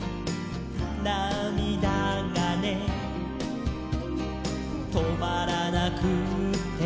「なみだがねとまらなくって」